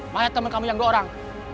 mana temen kamu yang dua orang